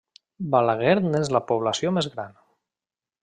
Balaguer n'és la població més gran.